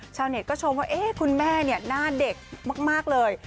ชาวเน็ตก็ชมว่าคุณแม่หน้าเด็กมากเลย